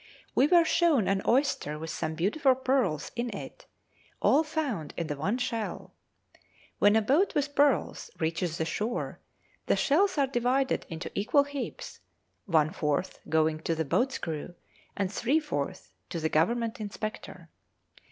We were shown an oyster with some beautiful pearls in it, all found in the one shell. When a boat with pearls reaches the shore, the shells are divided into equal heaps, one fourth going to the boat's crew, and three fourths to the Government Inspector.